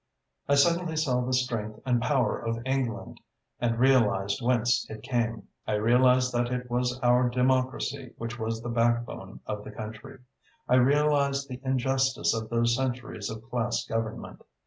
I suddenly saw the strength and power of England and realised whence it came. I realised that it was our democracy which was the backbone of the country. I realised the injustice of those centuries of class government.